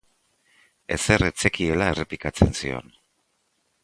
Ezer ez zekiela errepikatzen zion.